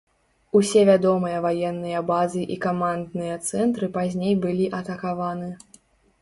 Усе вядомыя ваенныя базы і камандныя цэнтры пазней былі атакаваны.